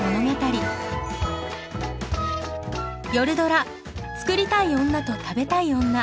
夜ドラ「作りたい女と食べたい女」。